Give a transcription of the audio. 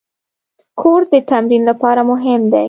کورس د تمرین لپاره مهم دی.